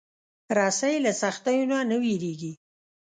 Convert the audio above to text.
رسۍ له سختیو نه نه وېرېږي.